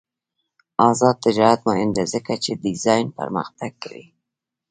آزاد تجارت مهم دی ځکه چې ډیزاین پرمختګ کوي.